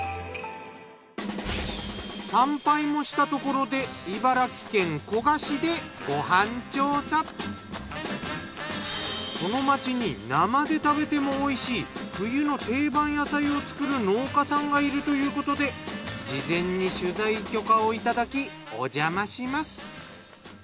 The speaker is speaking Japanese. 参拝もしたところでこの街に生で食べても美味しい冬の定番野菜を作る農家さんがいるということで事前に取材許可をいただきおじゃまします。